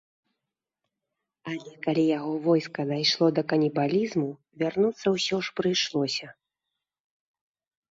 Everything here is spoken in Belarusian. Але калі яго войска дайшло да канібалізму, вярнуцца ўсё ж прыйшлося.